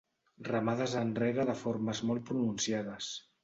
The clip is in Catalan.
Remades enrere de formes molt pronunciades.